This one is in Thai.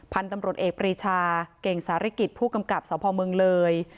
พันธุ์ตำรวจเอกปรีชาเก่งสาริกิจผู้กำกับสพเมืองเลย